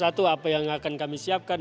satu apa yang akan kami siapkan